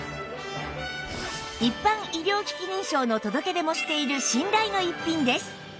一般医療機器認証の届け出もしている信頼の逸品です